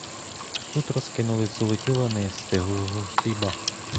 Тут розкинулись золоті лани стиглого хліба.